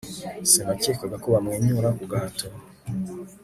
sinakekaga ko bamwenyura ku gahato